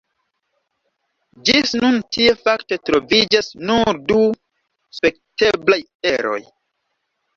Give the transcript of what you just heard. Ĝis nun tie fakte troviĝas nur du spekteblaj eroj.